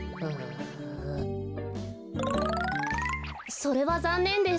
それはざんねんです。